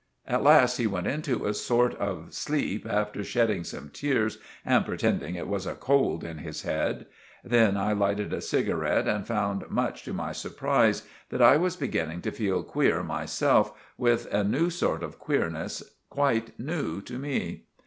At last he went into a sort of sleep after shedding some teers and pretending it was a cold in his head. Then I lighted a cigaret and found much to my supprise that I was beginning to feal queer myself with a new sort of queerness quite new to me.